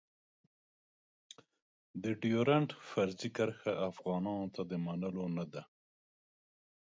د ډېورنډ فرضي کرښه افغانانو ته د نه منلو ده.